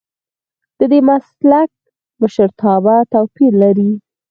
ددې مسلک مشرتابه توپیر لري.